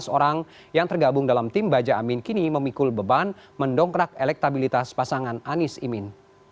tujuh belas orang yang tergabung dalam tim baja amin kini memikul beban mendongkrak elektabilitas pasangan anies imin